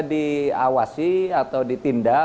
diawasi atau ditindak